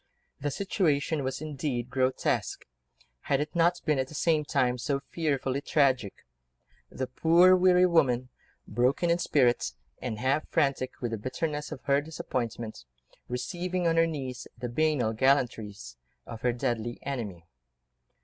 The situation was indeed grotesque, had it not been at the same time so fearfully tragic: the poor, weary woman, broken in spirit, and half frantic with the bitterness of her disappointment, receiving on her knees the banal gallantries of her deadly enemy.